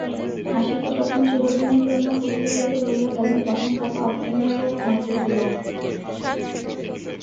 হাসিকে যখন চিরদিনের জন্য কুটির হইতে লইয়া গেল, তখন তাতা অজ্ঞান হইয়া ঘুমাইতেছিল।